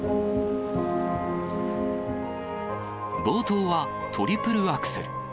冒頭はトリプルアクセル。